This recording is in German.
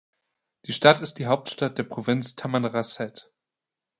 Die Stadt ist die Hauptstadt der Provinz Tamanrasset.